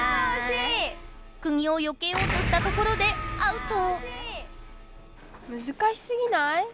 くぎをよけようとしたところでアウト！